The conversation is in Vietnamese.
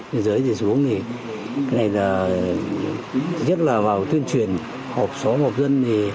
biên giới thì xuống nhất là vào tuyên truyền hộp xóm hộp dân